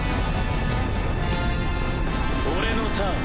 俺のターン。